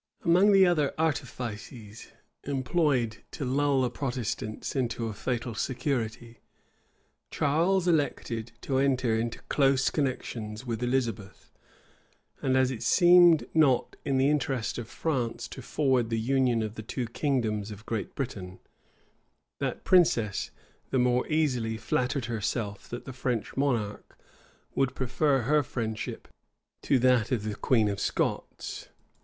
Among the other artifices employed to lull the Protestants into a fatal security, Charles affected to enter into close connections with Elizabeth; and as it seemed not the interest of France to forward the union of the two kingdoms of Great Britain, that princess the more easily flattered herself that the French monarch would prefer her friendship to that of the queen of Scots.